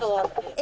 え！